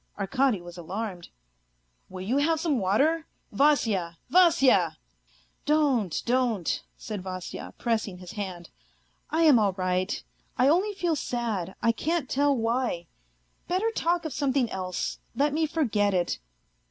Arkady was alarnml. " Will you have some water ? Vasya ! Vasya 1 "" Don't, don't," said Vasya, pressing his hand. "I am all right, I only feel sad, I can't tell why. Better talk of something else ; let me forget it."